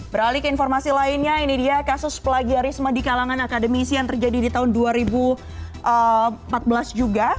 beralih ke informasi lainnya ini dia kasus plagiarisme di kalangan akademisi yang terjadi di tahun dua ribu empat belas juga